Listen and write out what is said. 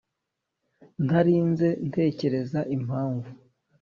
ntarinze ntekereza impamvu